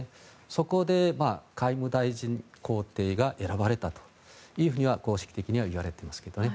そこで外務大臣公邸が選ばれたというふうには公式的にはいわれてますけどね。